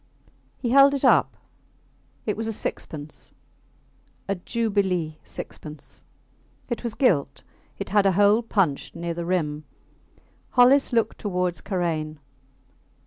He held it up. It was a sixpence a Jubilee sixpence. It was gilt; it had a hole punched near the rim. Hollis looked towards Karain.